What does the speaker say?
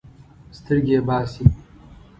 سترګې یې باسي.